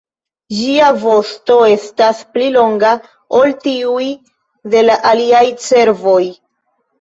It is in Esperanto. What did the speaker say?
Ĝia vosto estas pli longa ol tiuj de la aliaj cervoj.